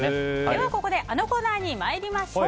ここであのコーナーに参りましょう。